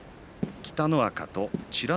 北の若と美ノ